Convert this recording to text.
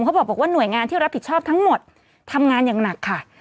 เขาบอกว่าหน่วยงานที่รับผิดชอบทั้งหมดทำงานอย่างหนักค่ะ